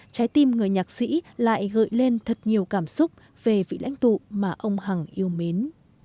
trái tim người nhạc sĩ lại gợi lên thật nhiều cảm xúc về vị lãnh tụ mà ông hằng yêu mến